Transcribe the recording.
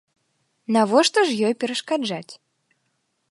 Навошта ж ёй перашкаджаць.